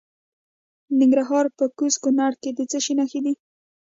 د ننګرهار په کوز کونړ کې د څه شي نښې دي؟